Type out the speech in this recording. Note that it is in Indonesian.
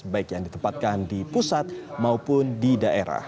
baik yang ditempatkan di pusat maupun di daerah